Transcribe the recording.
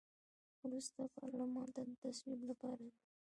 وروسته پارلمان ته د تصویب لپاره ځي.